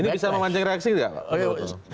ini bisa memancing reaksi tidak